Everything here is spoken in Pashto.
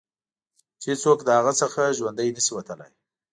چې هېڅوک د هغه څخه ژوندي نه شي وتلای.